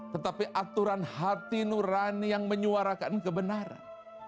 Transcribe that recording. tetapi aturan hati nurani yang menyuarakan kebenaran